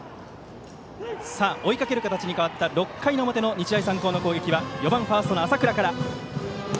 追いかける形に変わった６回表の日大三高の攻撃は４番ファーストの浅倉から。